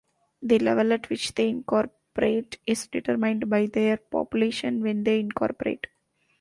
The level at which they incorporate is determined by their population when they incorporate.